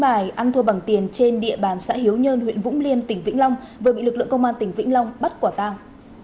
bài ăn thua bằng tiền trên địa bàn xã hiếu nhơn huyện vũng liêm tỉnh vĩnh long vừa bị lực lượng công an tỉnh vĩnh long bắt quả tang